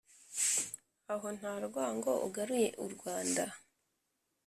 aho nta rwango ugaruye u rwanda.